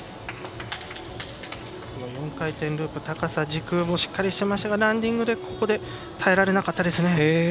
４回転ループ、高さ軸もしっかりしていましたがランディングで耐えられなかったですね。